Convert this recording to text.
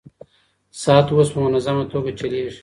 ساعت اوس په منظمه توګه چلېږي.